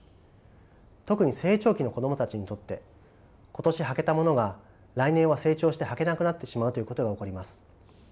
特に成長期の子供たちにとって今年履けたものが来年は成長して履けなくなってしまうということが起こります。